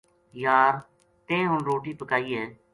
یار ! تیں ہن روٹی پکائی ہے